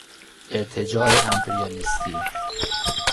ارتجاع امپریالیستی